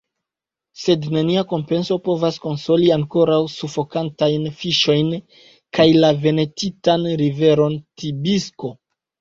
Sed nenia kompenso povas konsoli ankoraŭ sufokantajn fiŝojn kaj la venenitan riveron Tibisko.